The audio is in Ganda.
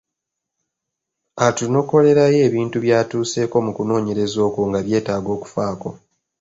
Atunokolerayo ebintu by’atuuseeko mu kunoonyereza okwo nga byetaaga okufaako.